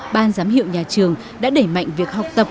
ban giám hiệu nhà trường đã đẩy mạnh việc học tập